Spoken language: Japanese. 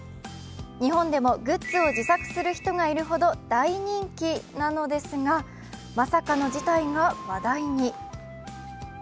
日本でもグッズを自作する人がいるほど大人気なのですがまさかの事態が話題に。